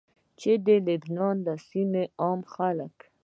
چې د لبنان او سيمي عامه خلک